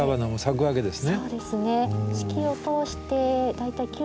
そうですね。